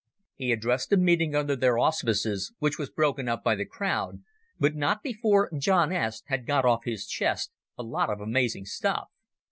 He addressed a meeting under their auspices, which was broken up by the crowd, but not before John S. had got off his chest a lot of amazing stuff.